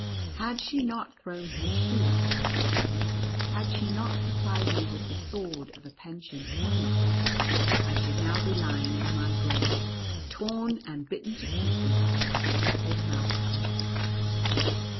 Had she not thrown her shoe at the right time — had she not supplied me with the sword of a pensioned colonel, I should now be lying in my grave, torn and bitten to pieces by the terrible Mouse King.